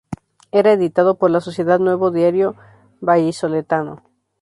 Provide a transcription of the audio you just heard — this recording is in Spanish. Era editado por la sociedad Nuevo Diario Vallisoletano.